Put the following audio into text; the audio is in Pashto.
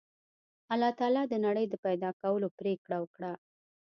الله تعالی د نړۍ د پیدا کولو پرېکړه وکړه